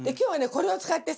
これを使ってさ